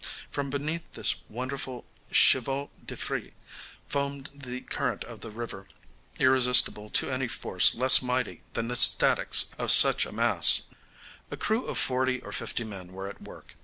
From beneath this wonderful chevaux de frise foamed the current of the river, irresistible to any force less mighty than the statics of such a mass. A crew of forty or fifty men were at work.